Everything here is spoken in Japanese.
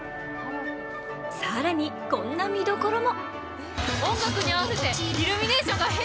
更に、こんな見どころも。